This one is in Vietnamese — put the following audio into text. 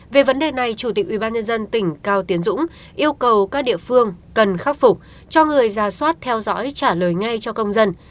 về vấn đề này chủ tịch ubnd tỉnh cao tiến dũng yêu cầu các địa phương cần khắc phục cho người ra soát theo dõi trả lời ngay cho công dân